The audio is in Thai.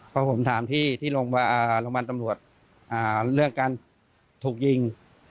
พอผมถามที่ที่โรงพยาบาลตำรวจเรื่องการถูกยิง